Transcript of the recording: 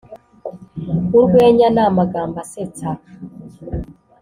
Urwenya ni amagambo asetsa